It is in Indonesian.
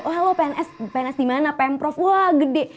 oh halo pns dimana pemprov wah gede